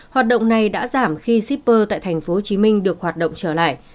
hoạt động này đã giảm khi shipper tại tp hcm được hoạt động trở lại